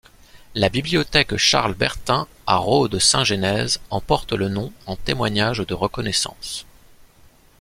La Bibliothèque Charles Bertin à Rhode-Saint-Genèse en porte le nom en témoignage de reconnaissance.